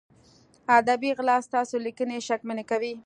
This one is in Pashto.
ادبي غلا ستاسو لیکنې شکمنې کوي.